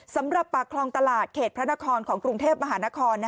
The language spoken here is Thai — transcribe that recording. สำหรับปากคลองตลาดเขตพระนครของกรุงเทพมหานคร